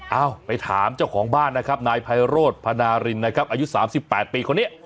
เอาไปถามเจ้าของบ้านนะครับนายไพโรธพนารินนะครับอายุ๓๘ปีคนนี้